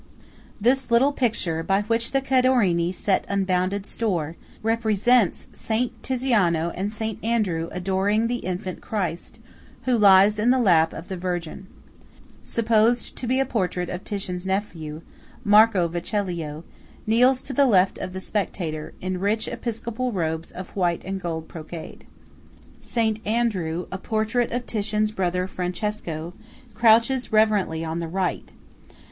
This little picture, by which the Cadorini set unbounded store, represents Saint Tiziano and Saint Andrew adoring the infant Christ, who lies in the lap of the Virgin. S. Tiziano, supposed to be a portrait of Titian's nephew, Marco Vecellio, kneels to the left of the spectator, in rich episcopal robes of white and gold brocade. Saint Andrew (a portrait of Titian's brother Francesco) crouches reverently on the right.